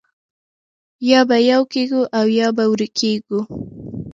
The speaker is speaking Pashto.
یا به یو کېږو او یا به ورکېږو